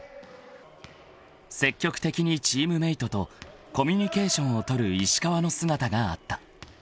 ［積極的にチームメートとコミュニケーションを取る石川の姿があった］